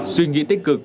suy nghĩ tích cực